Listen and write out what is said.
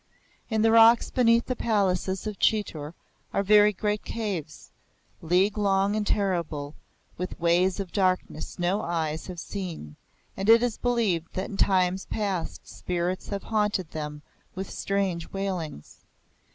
In the rocks beneath the palaces of Chitor are very great caves league long and terrible, with ways of darkness no eyes have seen; and it is believed that in times past spirits have haunted them with strange wailings.